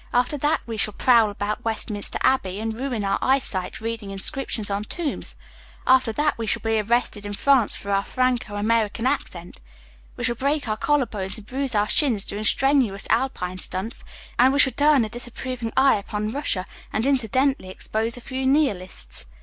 After that we shall prowl about Westminster Abbey and ruin our eyesight reading inscriptions on tombs. After that we shall be arrested in France for our Franco American accent. We shall break our collar bones and bruise our shins doing strenuous Alpine stunts, and we shall turn a disapproving eye upon Russia and incidentally expose a few Nihilists.